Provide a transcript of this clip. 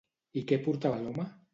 I què portava l'home?